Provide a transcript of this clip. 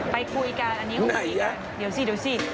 ไปคุยกันอันนี้คนลงไปอีกกันเดี๋ยวสิ